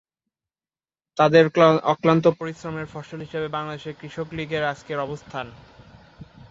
তাদের অক্লান্ত পরিশ্রমের ফসল হিসেবে বাংলাদেশ কৃষক লীগের আজকের অবস্থান।